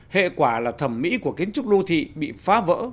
hệ quả là thẩm mỹ của kiến trúc đô thị bị phá vỡ